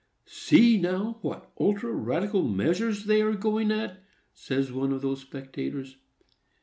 "See, now, what ultra, radical measures they are going at," says one of these spectators.